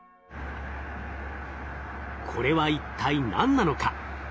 これは一体何なのか？